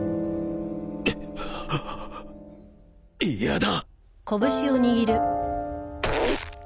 嫌だ！